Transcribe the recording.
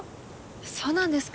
そうなんですか。